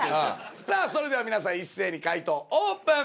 それでは皆さん一斉に解答オープン！